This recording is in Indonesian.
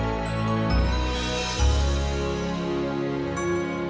aku gak mau kini ibu